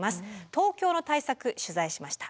東京の対策取材しました。